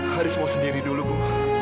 haris mau sendiri dulu bu